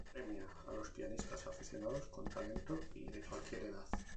Premia a los pianistas aficionados con talento y de cualquier edad.